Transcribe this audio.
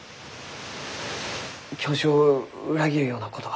教授を裏切るようなことは。